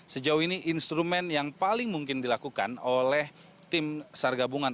sejauh ini instrumen yang paling mungkin dilakukan oleh tim sar gabungan